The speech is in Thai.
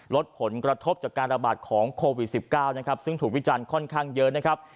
ลดผลกระทบจากการระบาดของโควิด๑๙นะครับซึ่งถูกวิจารณ์ค่อนข้างเยอะนะครับ